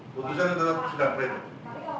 putusannya tetap di sidang pleno